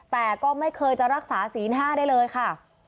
แต่ก็ไม่เคยจะรักษาศีล๕ได้เลยค่ะ